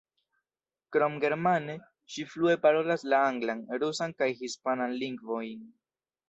Krom germane, ŝi flue parolas la anglan, rusan kaj hispanan lingvojn.